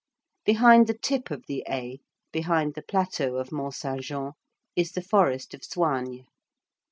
Behind the tip of the A, behind the plateau of Mont Saint Jean, is the forest of Soignes.